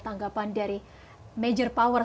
tanggapan dari major power